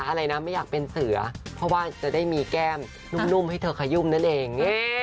อะไรนะไม่อยากเป็นเสือเพราะว่าจะได้มีแก้มนุ่มให้เธอขยุ่มนั่นเอง